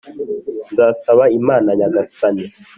nzasaba imana nyagasani